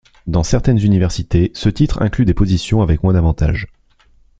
Dans certaines universités, ce titre inclut des positions avec moins d'avantages.